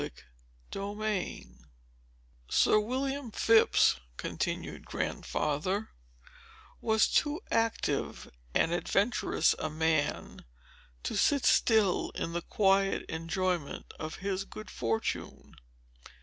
Chapter XI "Sir William Phips," continued Grandfather, "was too active and adventurous a man to sit still in the quiet enjoyment of his good fortune.